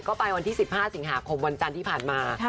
ก็ไปวันที่๑๕สิงหาคมวันจันทร์ที่ผ่านมา